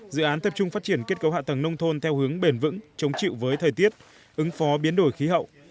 dự án tập trung phát triển kết cấu hạ tầng nông thôn theo hướng bền vững chống chịu với thời tiết ứng phó biến đổi khí hậu